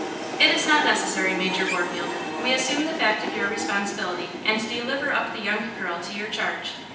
"It is not necessary, Major Warfield; we assume the fact of your responsibility and deliver up the young girl to your charge."